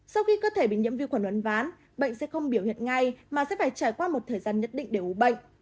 sau khi cơ thể bị nhiễm vi khuẩn uốn ván bệnh sẽ không biểu hiện ngay mà sẽ phải trải qua một thời gian nhất định để ủ bệnh